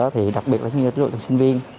thì đặc biệt là trường hợp sinh viên